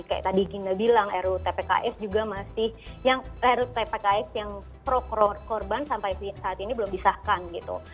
kayak tadi ginda bilang rutpks juga masih yang rut tpks yang pro korban sampai saat ini belum disahkan gitu